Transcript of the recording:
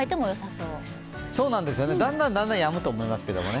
そうなんです、だんだんだんだんやむと思いますけれどもね。